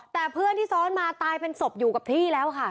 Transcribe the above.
แต่เพื่อนที่ซ้อนมาตายเป็นศพอยู่กับพี่แล้วค่ะ